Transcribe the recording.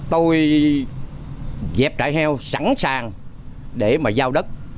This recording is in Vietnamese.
tôi dẹp trại heo sẵn sàng để mà giao đất